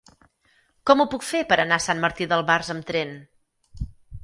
Com ho puc fer per anar a Sant Martí d'Albars amb tren?